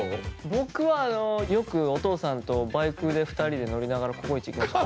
僕はよくお父さんとバイクで２人で乗りながらココイチ行きました。